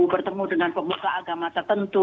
bertemu dengan pemuka agama tertentu